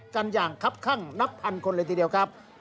กันอย่างครับข้างนับพันคนเลยทีเดียวครับ